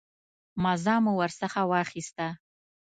مزه مو ورڅخه واخیسته.